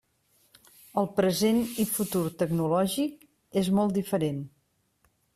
El present i futur tecnològic és molt diferent.